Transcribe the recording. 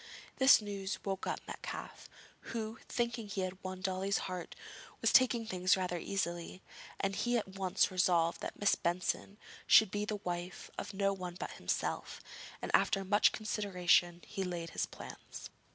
This news woke up Metcalfe, who, thinking he had won Dolly's heart, was taking things rather easily, and he at once resolved that Miss Benson should be the wife of no one but himself, and after much consideration he laid his plans.